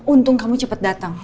untung kamu cepet datang